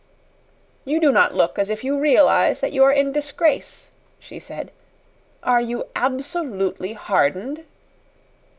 "You do not look as if you realize that you are in disgrace," she said. "Are you absolutely hardened?"